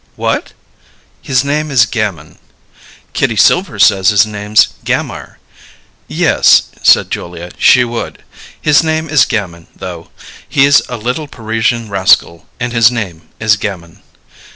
"What?" "His name is Gamin." "Kitty Silver says his name's Gammire." "Yes," said Julia. "She would. His name is Gamin, though. He's a little Parisian rascal, and his name is Gamin."